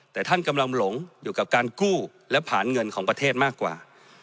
แต่ท่านกำลังหลงอยู่กับการกู้และผ่านเงินของประเทศมากกว่า